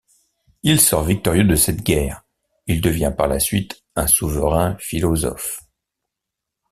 Il sort victorieux de cette guerre, il devient par la suite un souverain philosophe.